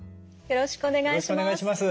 よろしくお願いします。